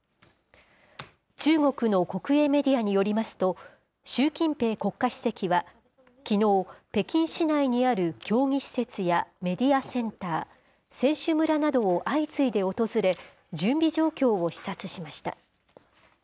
中国の国営メディアによりますと、習近平国家主席はきのう、北京市内にある競技施設やメディアセンター、選手村などを相次いで訪れ、準備状況を視察しました。